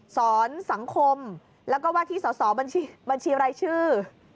สอนสังคมแล้วก็ว่าที่สอบบัญชีบัญชีอะไรชื่อ